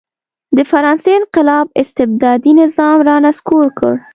د فرانسې انقلاب استبدادي نظام را نسکور کړ.